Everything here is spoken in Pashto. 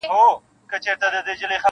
له دوا او له طبیب سره یې ژوند وو-